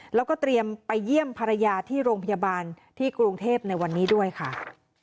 แล้วก็เตรียมไปเยี่ยมภรรยาที่โรงพยาบาลที่กรุงเทพในวันนี้ด้วยค่ะ